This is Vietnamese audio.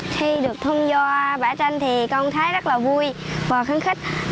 khi được thông do bản tranh thì công thấy rất là vui và khứng khích